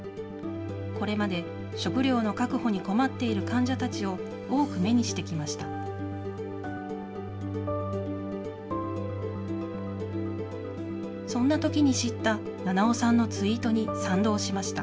これまで食料の確保に困っている患者たちを、多く目にしてきました。